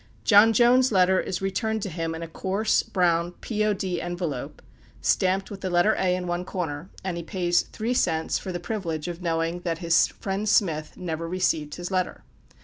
"John Jones'" letter is returned to him in a coarse, brown "P. O. D." envelope, stamped with the letter A in one corner, and he pays three cents for the privilege of knowing that his friend "Smith" never received his letter.